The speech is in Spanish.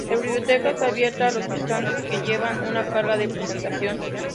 La biblioteca está abierta a los visitantes que lleven una carta de presentación.